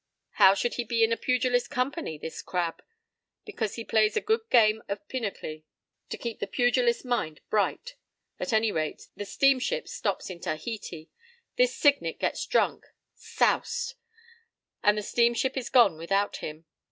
How should he be in a pugilist's company, this crab? Because he plays a good game of pinochle—to keep the pugilist's mind bright. At any event, the steamship stops at Tahiti. This Signet gets drunk. 'Soused!' And the steamship is gone without him.